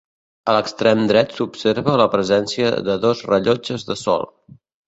A l'extrem dret s'observa la presència de dos rellotges de sol.